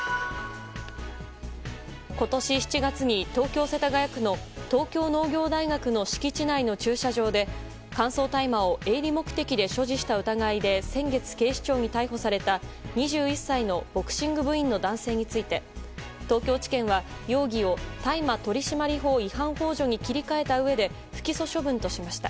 今年７月に東京・世田谷区の東京農業大学の敷地内の駐車場で乾燥大麻を営利目的で所持した疑いで先月、警視庁に逮捕された２１歳のボクシング部員の男性について東京地検は容疑を大麻取締法違反幇助に切り替えたうえで不起訴処分としました。